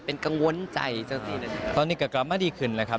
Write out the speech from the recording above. เพราะนี่ก็กลับมาดีขึ้นเลยครับ